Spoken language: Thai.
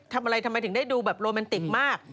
ทำไมถึงได้ดูแบบโรแมนติกมาก